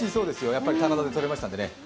やっぱり棚田でとれましたんでね。